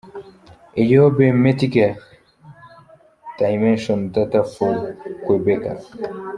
Eyob Metkel – Dimension Data for Qhubeka “”